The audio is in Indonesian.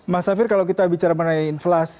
mas safir kalau kita bicara mengenai inflasi